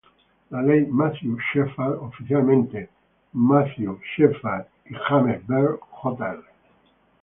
La ley Matthew Shepard, oficialmente Matthew Shepard and James Byrd, Jr.